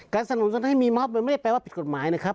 สนุนให้มีมอบมันไม่ได้แปลว่าผิดกฎหมายนะครับ